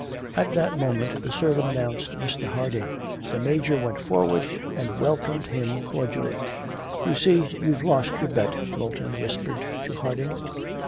At that moment the servant announced Mr. Harding. The Major went forward and welcomed him cordially. 'You see, you've lost your bet,' Moulton whispered to Harding.